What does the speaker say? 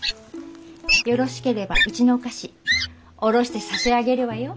よろしければうちのお菓子卸して差し上げるわよ。